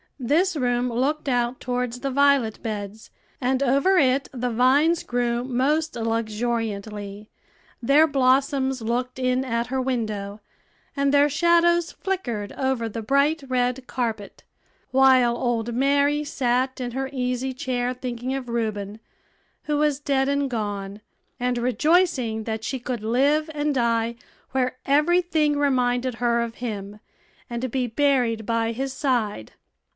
This room looked out towards the violet beds, and over it the vines grew most luxuriantly; their blossoms looked in at her window, and their shadows flickered over the bright red carpet; while old Mary sat in her easy chair thinking of Reuben, who was dead and gone, and rejoicing that she could live and die where every thing reminded her of him, and be buried by his side.